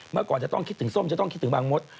เมื่อก่อนจะต้องคิดถึงส้มจะต้องคิดถึงบางมด